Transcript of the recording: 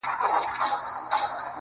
ما ناولونه ، ما كيسې ،ما فلسفې لوستي دي.